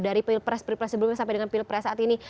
dari pilpres pilpres sebelumnya sampai dengan pilpres saat ini